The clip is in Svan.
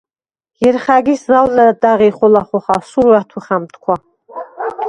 ჲერხ’ა̈გის ზაუ̂ლადა̈ღი ხოლა ხოხა: სურუ ა̈თუ ხა̈მთქუ̂ა.